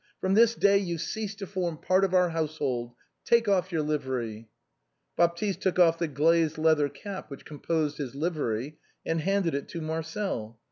From this day you cease to form part of our household. Take off your livery !" Baptiste took off the glazed leather cap which composed his livery, and handed it to Marcel.